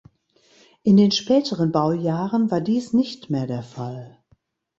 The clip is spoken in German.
In den späteren Baujahren war dies nicht mehr der Fall.